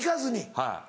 はい。